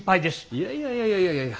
いやいやいやいやいやいやいやいや。